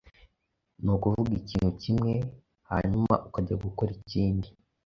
Kuki uvuga ikintu kimwe, hauma ukajya gukora ikindi?